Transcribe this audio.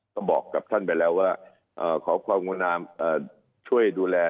ก็บอกกับท่านไปแล้วว่าขอความงดงามช่วยดูแล